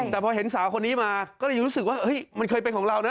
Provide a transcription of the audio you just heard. แต่พอเห็นสาวคนนี้มาก็เลยรู้สึกว่าเฮ้ยมันเคยเป็นของเรานะ